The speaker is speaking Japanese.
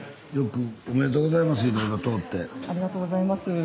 ありがとうございます。